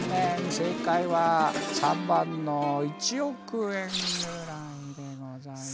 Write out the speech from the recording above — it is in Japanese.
正解は３番の１億円ぐらいでございます。